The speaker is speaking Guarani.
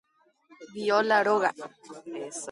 Viola róga.